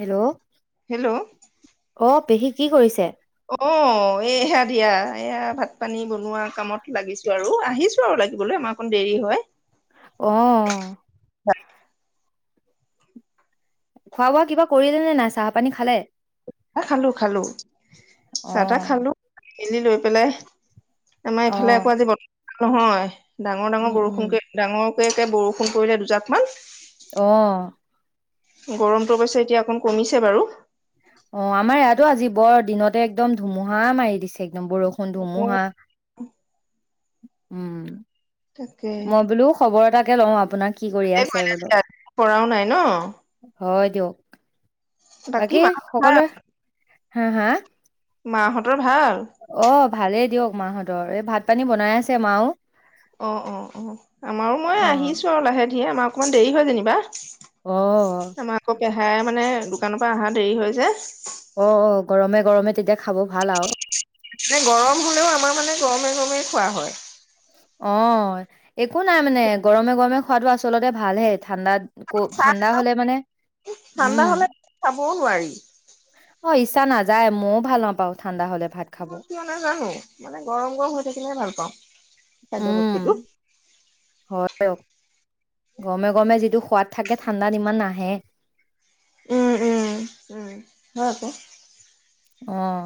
Hello, hello অ' পেহী। কি কৰিছে? অ', এইহে দিয়া, এয়া ভাত পানী বনোৱা কামত লাগিছো আৰু আহিছো আৰু লাগিবলৈ আমাৰ অকণ দেৰি হয়। অ'। [unintelligible] খোৱা বোৱা কিবা কৰিলে নে নাই, চাহ পানী খালে? এ খালোঁ, খালোঁ, অ চাহ তাহ খালোঁ, মেলি লৈ পেলাই আমাৰ অ এইফালে আকৌ আজি ব নহয়। ডাঙৰ, ডাঙৰ উম উম বৰষুণকে ডাঙৰ ধুনীয়া কে বৰষুণ পৰিলে দুজাকমান অ'। গৰমটো অবশ্যে এতিয়া অকণ কমিছে বাৰু। অ' আমাৰ ইয়া তো আজি বৰ দিনতে একদম ধুমুহা মাৰি দিছে। একদম বৰষুণ, ধুমুহা তাকে উম। মই বোলো খবৰ এটা এ লওঁ আপোনাক কি কৰি ত'তে আছে বোলো ক'লা পৰাও নাই ন'। হয় দিয়ক। বাকী মা ভাল সকলোৱে হা, হা মাহঁতৰ ভাল অ', ভালেই দিয়ক। মাহঁতৰ এই ভাত পানী বনাই আছে মাও। অ', অ', অ', আমাৰো মই অ আহিছো আৰু লাহে ধীৰে আমাৰ অকণমান দেৰি হয় যেনিবা। অ'। খাই মানে দোকানৰ পৰা অহা দেৰি হৈ যে। অ', অ', গৰমে গৰমে তেতিয়া খাব ভাল আৰু। মানে গৰম হ'লেও আমাৰ মানে গৰমে গৰমেই খোৱা হয়। অ', একো নাই মানে গৰমে গৰমে খোৱাটো আচলতে ভালহে ঠাণ্ডাত ক চা ঠাণ্ডা হ'লে মানে ঠাণ্ডা উম, হলে চাবও নোৱাৰি। অ', ইচ্ছা নাযায় মইও ভাল নাপাওঁ ঠাণ্ডা হ'লে। ভাত খাব। মই কিয় নাজানো মানে গৰম, গৰম হৈ থাকিলে ভাল পাওঁ। [unintelligible] কৰ গৰমে গৰমে যিটো সোৱাদ থাকে ঠাণ্ডাত ইমান নাহে। উম, উম, উম, হয়কো। অহ।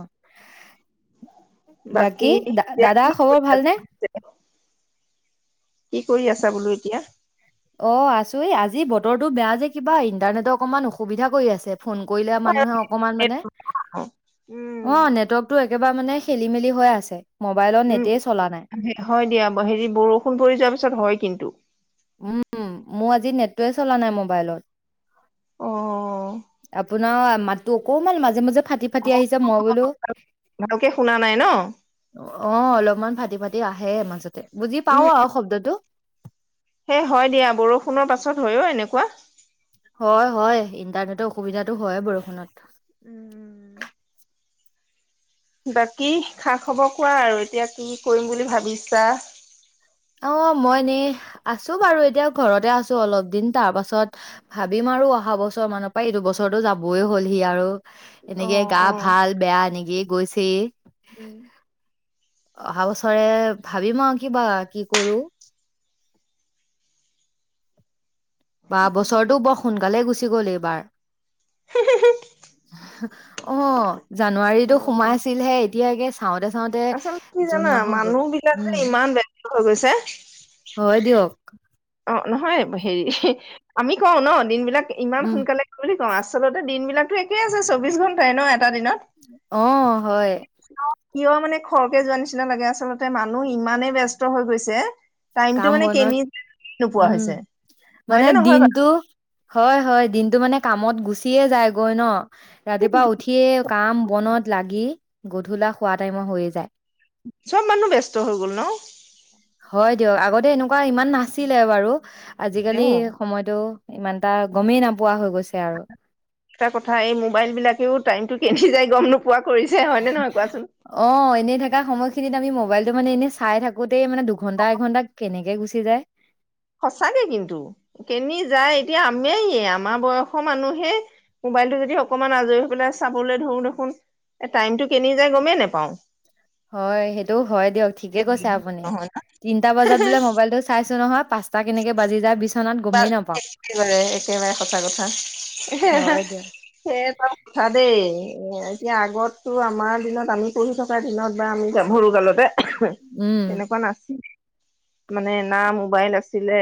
বাকী দ - এতিয়া দাদা কি খবৰ কৰি ভালনে? আছা কি কৰি আছা বোলো এতিয়া? অ' আছো আজি বতৰটো বেয়া যে কিবা ইণ্টাৰনেটৰ অকনমান অসুবিধা কৰি আছে। ফোন কৰিলে মানুহে অকমান মানে অ উম নেটৱৰ্কতটো একেবাৰে মানে খেলি মেলি হৈ আছে। মোবাইলৰ উম নেটেই চলা নাই। হয় দিয়া হেৰি বৰষুণ পৰি যোৱাৰ পিছত পিছত হয় কিন্তু। উম মোৰ আজি নেটটোৱে চলা নাই মোবাইলত। অঁ। আপ ন মাতো অকমান মাজে - মাজে ফাটি - ফাটি আহিছে মই বোলো, ভালকে শুনা নাই ন অ' অলপমান ফাটি- ফাটি এয়া আহে মাজতে। বুজি পাওঁ আও শব্দটো হে হয় দিয়া বৰষুণৰ পাছত হয়অ এনেকুৱা হয় হয় ইণ্টাৰনেটৰ অসুবিধাটো হয়ে বৰষুণত উম উম বাকী খা খবৰ কোৱা আৰু এতিয়া কি কৰিম বুলি ভাবিছা অ মই এনেই আছো বাৰু এতিয়া ঘৰতে আছো অলপ দিন তাৰ পাছত ভাবিম আৰু অহা বছৰ মানৰ পৰা এইটো বছৰৰতো যাবই হ'লহি আৰু এনেকে অ', গা ভাল বেয়া এনেকি গৈছে উম অহা বছৰে ভাবিম আৰু কিবা কি কৰোঁ বা বছৰটো বৰ সোনকালে গুছি গুছি গল এইবাৰ অ জানুৱাৰীতো হয় সোমাই দিয়া। ছিলহে এতিয়া গেছ আচলতে কি জানা মানুহ বিলাক যে উম ইমান বেলেগ হৈ গৈছে হয় দিয়ক। অ নহয় হেৰি, ইহি আমি কওঁ ন দিন বিলাক ইমান উম সোনকালে মানে আচলতে দিন বিলাকো একেই আছে চৌবিশ ঘণ্টাই ন? এটা দিনত অ হয়। কিয় মানে খৰকে যোৱা নিচিনা লাগে আচলতে মানুহ ইমানে ব্যস্ত হৈ গৈছে টাইমটো কাম মানে বনত কেনি যায় [unintelligible] উম মানে দিনটো হয় হয় দিনটো মানে কামত গুচিয়ে যায়গৈ ন ৰাতিপুৱা উঠিয়ে কাম বনত লাগি গধূলা খোৱা টাইমৰ হৈয়ে যায় চব মানুহ ব্যস্ত হৈ গ'ল ন হয় দিয়ক আগতে এনেকুৱা ইমান নাছিলে বাৰু আজিকালি এটা সময়টো ইমান এটা গমেই নাপোৱা হৈ গল এটা কথা এই মোবাইল বিলাকেও টাইমতটো কে যায় গ [unintelligible] অ এনে থকা সময়খিনিত আমি মোবাইল মানে এনেই চাই থাকোতেই মানে দুঘন্টা এঘন্টা কেনেকে গুচি যায় সঁচাকে কিন্তু কেনি যায় এতিয়া আমেইয়ে আমাৰ বয়সৰ মানুহে মোবাইলটো যদি অকমান আজৰি হৈ পেলাই চাবলৈ ধৰো দেখোন টাইমতটো কেনি যায় গমেই নোপাওঁ [unintelligible] হয় সেইটো হয় দিয়ক ঠিকে কৈছে আপুনি নহয় তিনটা বজাত বোলে মোবাইলটো চাইছো নহয় পাঁচটা কেনেকে বাজি যায় বিচনাত গমেই নাপাওঁ। বাৰে একেবাৰে সঁচা কথা হয় দিয়ক, সেই ত কথা দেই এতিয়া আগতো আমাৰ দিনত আমি পঢ়ি থকা দিনত বা আমি যাম সৰু কালতে উম, তেনেকুৱা নাছিল মানে না মোবাইল আছিলে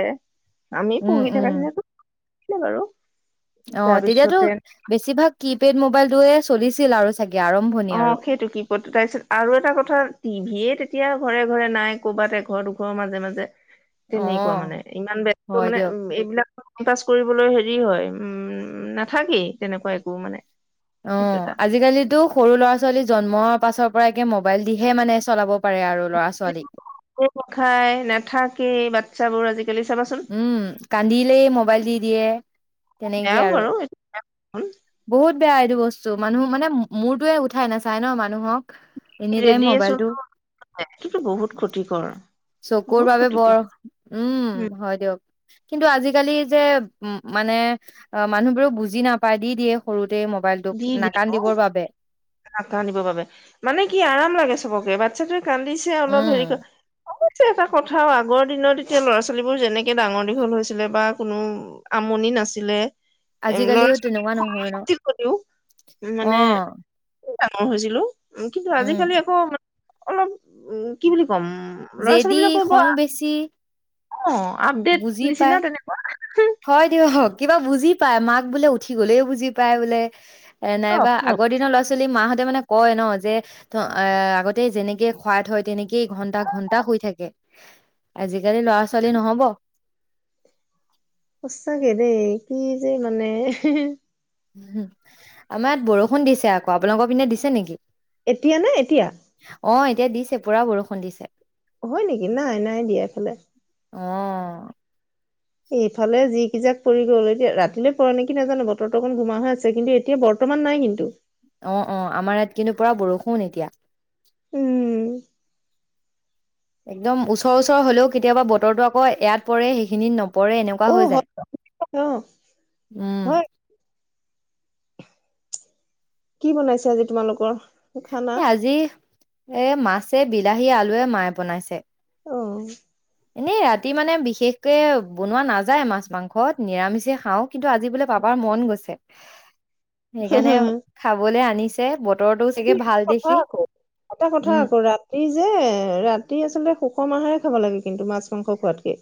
আমি উম, পহি উম, থকাছে [unintelligible] তো ে বাৰু অ তেতিয়াতো তাৰপিছতে বেছিভাগ কি পেড মোবাইল দয়ে আছ চলিছিল আৰু চাগে অ আৰম্ভণি আৰু সেইটো কি তাৰপিছত আৰু এটা কথা টিভিয়ে তেতিয়া ঘৰে ঘৰে নাই কৰ'বাত এ ঘৰ দুঘৰৰ মাজে মাজে তেনেকুৱা অ', মানে ইমান বস্ত হয় মানে দিয়ক। উ এইবিলাক পাছ কৰিবলৈ হেৰি হয় উম নাথাকি তেনেকুৱা একো মানে অ সেইটো এটা আজিকালিতো সৰু ল'ৰা ছোৱালী জন্মৰ পাছৰ পৰাে মোবাইল দিহে মানে চলাব পাৰে আৰু ল'ৰা ছোৱালীক, নখাই নাথাকেই বা [unintelligible] চাবোৰ আজি উম কান্দিলেই মোবাইল দি দিয়ে তেনেকে বেয়াও আৰু বাৰু এইটো বহুত বেয়া এইটো বস্তু মানুহ মানে মোৰতোয়ে উঠাই নাচায় ন মানুহক এনি টাইম ৰেডি এচন মোবাইলটো কিন্তু বহুত ক্ষতিকৰ চকুৰ বহুত বাবে বৰ ক্ষতিকৰ উম হয় দিয়ক কিন্তু আজিকালি যে উ মানে অঁ মানুহবোৰ ও বুজি নাপায় দি দিয়ে সৰুত। দি দিয়ে ন না বাবে মানে কি আৰাম লাগে চবকে বাট। [unintelligible] কান্দিছে অলপ হেৰি উম কৰি [unintelligible] পিছে এটা কথা আগৰ দিনত এতিয়া ল'ৰা ছোৱালীবোৰ যেনেকে। ডাঙৰ দীঘল হৈছিলে বা। কোনো আমনি নাছিলে। আজিকালিও তেনেকুৱা নহয় ন। [unintelligible] উম মানে। অ ডাঙৰ হৈছিলো। উম কিন্তু উম আজিকালি আকৌ। অলপ, উম কি বুলি। ক'ম জেদি খং বেছি। অঁ। আপডেট বুজি নিচিনা পায় তেনেকুৱা। হয় দিয়ক কিবা বুজি পায় মাক বোলে উঠি গলেওঁ বুজি পায় বোলে। এ চব নাইবা চব আগৰ দিনৰ লৰা ছোৱালী। মাহতে মানে কয় ন যে আগতে যেনেকে খোৱাই থয় দিয়ে নি কি ঘন্টা ঘন্টা শুই থাকে আজিকালি ল'ৰা ছোৱালী নহব। সচাঁকে দেই কি যে মানে। উম আমাৰ ইয়াত বৰষুণ দিছে আকৌ আপোনালোকৰ পিনে দিছে নেকি। এতিয়া নে এতিয়া। অঁ এতিয়া দিছে পুৰা বৰষুণ দিছে। হয় নেকি নাই নাই দিয়া এইফালে অঁ। এইফালে যি যিকেইজাক পৰি গ'ল এতিয়া ৰাতিলৈ পৰে নেকি নাজানো বতৰটো অকণ ঘোমা হৈ আছে কিন্তু এতিয়া বৰ্তমান নাই কিন্তু। অঁ অঁ আমাৰ ইয়াত কিন্তু পুৰা বৰষুণ এতিয়া উম। একদম ওচৰ ওচৰ হ'লেও কেতিয়াবা বতৰটো আকৌ এয়াত পৰে সেইখিনি নপৰে এনেকুৱা। অ হৈ হয় অ যায় উম। হয় কি বনাইছে আজি তোমালোকৰ। খানা? এ আজি এ মাছ। বিলাহী আলুৱে মায়ে বনাইছে। অঁ। এনেই ৰাতি মানে বিশেষকৈ বনোৱা নাযায় মাছ মাংস নিৰামিষে খাওঁ কিন্তু আজি বোলে পাপাৰ মন গৈছে। সেইকাৰণে খাবলে আনি চে বত কথা আকৌ, এটা কথা উম আকৌ ৰাতি যে ৰাতি আচলতে সুষম আহাৰ খাব লাগে কিন্তু মাছ মাংস খোৱাতকে।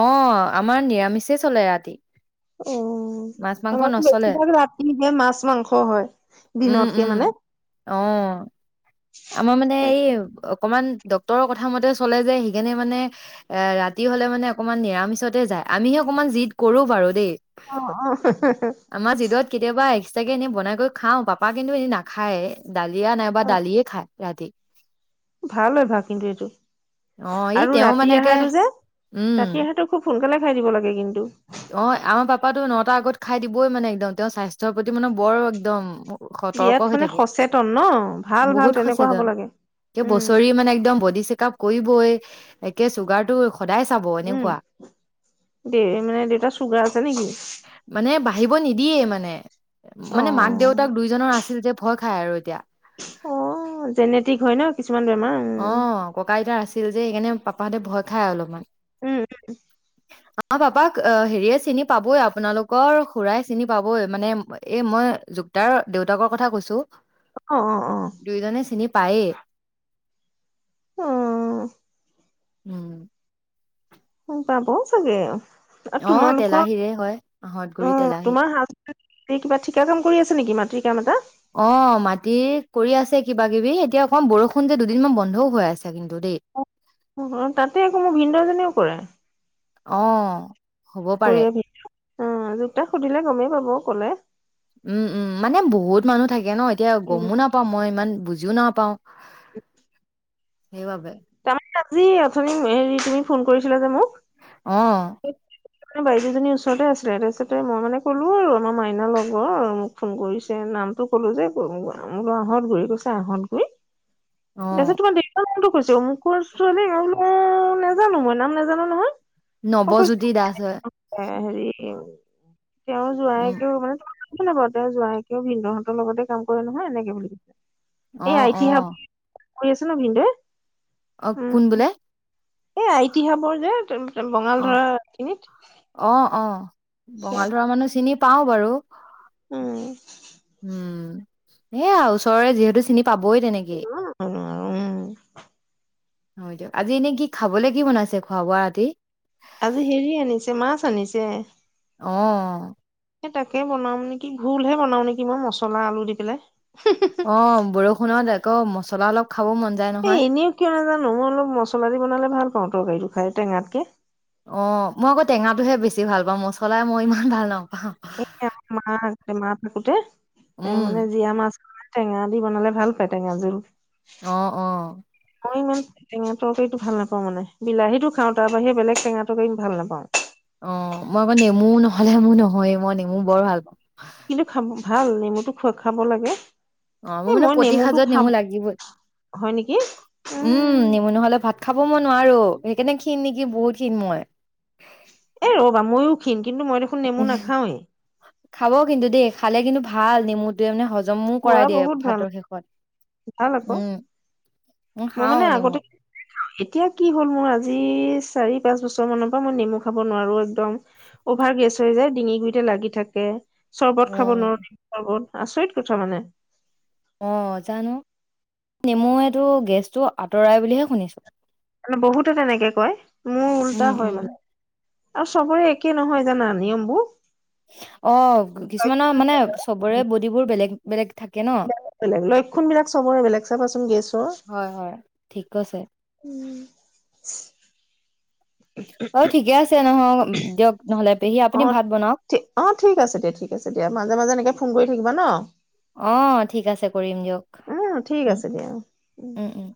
অ' আমাৰ নিৰামিচে চলে ৰাতি। মাছ অ' মাংস আমাৰতো নচলে বেছিভাগ ৰাতি হে মাছ মাংস হয়, উম দিনতকে উম মানে। অ আমাৰ মানে এই অকমান [unintelligible] ডক্তৰৰ কথা মতে চলে যে সেইকাৰণে মানে এ - ৰাতি হলে মানে অকমান নিৰামিচতে যায়। আমিহে অকমান জিদ কৰো বাৰু দেই। অ' আমাৰ জিদত অ'। কেতিয়াবা এক্সট্ৰাকে এনে বনাই কৰি খাওঁ, পাপা কিন্তু এনে নাখায়। ডালিয়া নাইবা অ দালিয়ে [unintelligible] ভাল হয় ভা কিন্তু এইটো অ', ই আৰু তেওঁ মানে ৰাতিৰ একে আহাৰটো যে, ৰাতি উম, আহাৰটো খুব সোনকালে খাই দিব লাগে কিন্তু। অ' আমাৰ পাপাটো নটাৰ আগত খাই দিবই মানে একদম, তেওঁৰ স্বাস্থ্যৰ প্ৰতি মানে বৰ একদম সতৰ্ক বিয়াত হৈ মানে থাকে, সচেতন ন ভাল ভাল বহুত তেনেকুৱা হ'ব সচেতন। লাগে ক উম বছৰি মানে একদম বডি চ কাপ কৰিবই, একে চুগাৰ টো উম। দে মানে দেউতাৰ চুগাৰ আছে নেকি? য়ে মানে। অ মানে মাক দেউতাক দুইজনৰ আছিল যে ভয় খাই আৰু এতিয়া। অ' জেনেটিক হয় ন কিছুমান বেমাৰ, উম। অ', ককা আইতাৰ আছিল যে সেইকাৰণে পাপাহঁতে ভয় খায় অলপমান। উম উম। [unintelligible] পাপাক। অ হেৰিয়ে চিনি পাবই আপোনালোকৰ খুৰাই চিনি পাবই মানে এই মই যুক্তাৰ দেউতাকৰ কথা কৈছোঁ। অ' অ' অ'। পায়ে। অ'। উম। অ পাব ছাগে। অ তোমালোকৰ, তেলাহীৰে হয় আহঁতগুৰি অহ - তেলাহী তোমাৰ হাজবেণ্ডে কিবা ঠিকা কাম কৰি আছে নেকি মাটিৰ কাম এটা? অ মাটি কৰি আছে কিবা কিবি এতিয়া অকম বৰষুণ যে দুদিনমান বন্ধও হৈ আছে। কিন্তু দেই [unintelligible] তাতে আকৌ মোৰ ভিনদেউ জনেও কৰে। অ। হ'ব পাৰে। দুপৰীয়া ভিন অ [unintelligible] তাক সুধিলে গমেই পাব কলে। উম উম মানে বহুত মানুহ থাকে। থাকে ন তিয়া উম গমো নাপাওঁ মই ইমান বোজি বোজিও নাপাওঁ। সেইবাবে তাৰমানে আজি অথনি হেৰি তুমি ফোন কৰিছিলে যে মোক। অ। বাইদেজনীৰ ওচৰতে আছিলে তাৰপিছতে মই মানে ক'লো আৰু আমাৰ মাইনা লগৰ আৰু মোক ফোন কৰিছে নামটো কলো যে গহত ঘূৰি কইছে আহত ঘূৰি। অ তাৰ পিছত তোমাৰ দেখ কৈছো অমোকৰ ছোৱালী ও নাজানো মই নাম নাজানো নহয়। অ কৈছে নৱজ্যোতি দাস হয়। হেৰি তেওঁ যোৱাই উম কেও মানে [unintelligible] বৰতাৰ যোৱইকেও ভিনদুহঁতৰ লগতে কাম কৰে নহয় এনেকে বুলি অ অ। আহি আছে ন ভিনদয়ে? অ কোন বোলে। এ আইতিহাবৰ যে বঙাল অ ধৰা খিনিত। বঙাল ধৰা মানুহ চিনি পাওঁ বাৰু। উম। উম। এয়া ওচৰৰে যিহেতু চিনি পাবই তেনেকে। নোৱাৰো উম হয় দিয়ক। আজি এনে কি খাবলৈ কি বনাইছে খোৱা বোৱা ৰাতি? আজি হেৰি আনিছে মাছ আনিছে। অ। তাকে বনাম নেকি ভুলহে বনাম নেকি মই মছলা আলু দি পেলাই। অ বৰষুণৰ ত মছলা অলপ খাব মন যায় এ নহয় এনেও কিয় নাজানো মই অলপ মছলা দি বনালে ভাল পাওঁ তৰকাৰীটো খাই টেঙাতকে অ মই আকৌ টেঙাটোহে বেছি ভাল পাওঁ মছলাই মই ইমান ভাল নও [inaudible] কোটে এ উম, মানে জীয়া মাছ টেঙা দি বনালে ভাল পায়, টেঙা জোল অ' অ' মই ইমান টেঙা তৰকাৰীটো ভাল নাপাওঁ, মানে বিলাহীতো খাওঁ তাৰ বাহে বেলেগ টেঙা তৰকাৰী ভাল নাপাওঁ। টেঙা নহলে মোৰ নহৈয়ে মই নেমু বৰ ভাল পাওঁ কিন্তু খাব ভাল নেমুতো খোৱা, খাব লাগে। অ' এ মোৰ মানে মই প্ৰতি নেমুটো সাজত খাম নেমু লাগিবই, হয় নেকি উম নেমু নহলে ভাত খাব মই নোৱাৰো। সেইকাৰণে ক্ষীণ নেকি? বহুত ক্ষীণ মই। এ ৰ'বা মইো ক্ষীণ। কিন্তু মই দেখোন নেমু নাখাওঁৱেই। খাব কিন্তু দেই, খালে কিন্তু ভাল নেমুটোৱে মানে জমো কৰাই পুৰা দিয়ে বহুত ভাল ভাতৰ শেষত, ভাল আকৌ উম উম মই খাঁও মানে নেমু। আগতে এতিয়া কি হ'ল, মোৰ আজি চাৰি পাঁচ বছৰ মানৰ পৰা মই নেমু খাব নোৱাৰো একদম, অভাৰ গেছ হৈ যায় ডিঙি গুৰিতে লাগি থাকে। চৰ্বত খাব উম, নোৱাৰোঁ, নেমু চৰ্বত আচৰিত কথা মানে, অ' জানো নেমুয়েতো গেছটো আঁতৰাই বুলিহে শুনিছো। মানে বহুতে তেনেকে কয়। মোৰ উল্টা উম, উম। হয় মানে, আৰু চবৰে একেই নহয় জানা নিয়মবুৰ অ' কিছুমানৰ মানে চবৰে বডিবোৰ বেলেগ বেলেগ থাকে। ন। বেলেগ লক্ষণ বিলাক চবৰে বেলেগ চাবাচোন গেছৰ, হয়, হয়। ঠিক কৈছে। উম [inaudible] অ ঠিকে আছে নহয় দিয়ক নহলে পেহী আপুনি অ ভাত বনাওক। ঠিক অ ঠিক আছে দিয়া ঠিক আছে দিয়া মাজে মাজে এনেকে ফোন কৰি থাকিবা ন, অ' ঠিক আছে। কৰিম দিয়ক, উম ঠিক উম আছে দিয়া উম উম